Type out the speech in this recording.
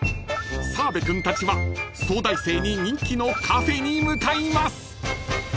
［澤部君たちは早大生に人気のカフェに向かいます］